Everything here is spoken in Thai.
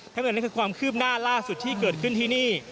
ทั้งหมดนี้คือความคืบหน้าล่าสุดที่เกิดขึ้นที่นี่